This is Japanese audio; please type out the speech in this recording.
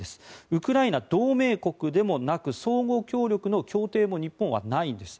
ウクライナ、同盟国でもなく相互協力の協定も日本はないんです。